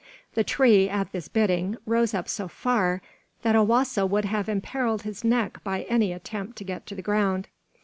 The tree, at this bidding, rose up so far that Owasso would have imperiled his neck by any attempt to get to the ground.